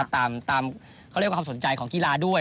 ตามความสนใจของกีฬาด้วย